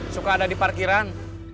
suka ada di parkiran